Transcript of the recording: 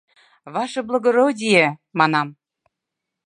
— Ваше благородие, манам.